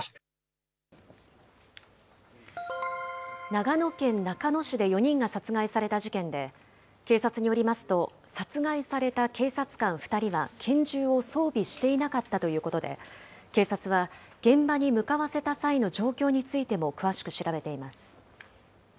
長野県中野市で４人が殺害された事件で、警察によりますと、殺害された警察官２人は、拳銃を装備していなかったということで、警察は現場に向かわせた際の状況についても詳しく調べています。